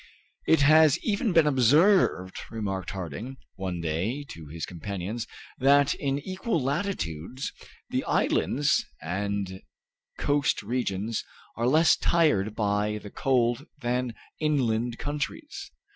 "It has even been observed," remarked Harding one day to his companions, "that in equal latitudes the islands and coast regions are less tried by the cold than inland countries.